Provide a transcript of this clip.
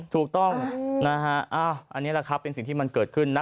ถูกต้องนะฮะอันนี้แหละครับเป็นสิ่งที่มันเกิดขึ้นนะ